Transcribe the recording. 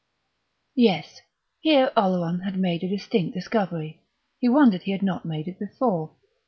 Yes, here Oleron had made a distinct discovery; he wondered he had not made it before.